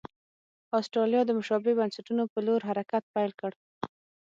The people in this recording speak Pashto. اسټرالیا د مشابه بنسټونو په لور حرکت پیل کړ.